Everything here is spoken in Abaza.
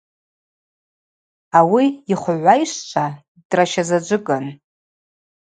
Ауи йыхвыгӏвахщчва дращазаджвыкӏын.